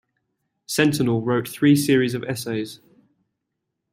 Centinel wrote three series of essays.